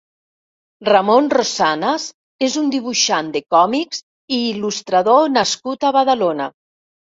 Ramon Rosanas és un dibuixant de còmics i il·lustrador nascut a Badalona.